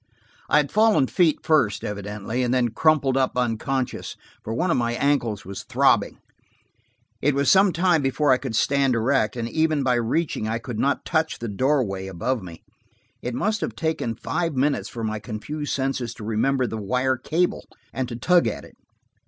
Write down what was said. I had fallen feet first, evidently, and then crumpled up unconscious, for one of my ankles was throbbing. It was some time before I could stand erect, and even by reaching, I could not touch the doorway above me. It must have taken five minutes for my confused senses to remember the wire cable, and to tug at it.